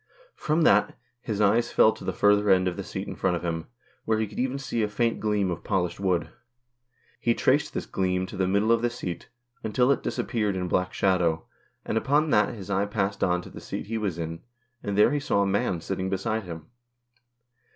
Prom that, his eyes fell to the further end of the seat in front of him, where he could even see a faint gleam of polished wood. He traced this gleam to the middle of the seat, until it disappeared in black shadow, and upon that his eye passed on to the seat he was in, and there he saw a man sitting beside him.